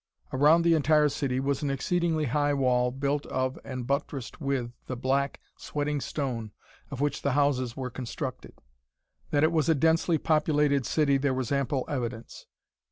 Around the entire city was an exceedingly high wall built of and buttressed with the black, sweating stone of which the houses were constructed. That it was a densely populated city there was ample evidence.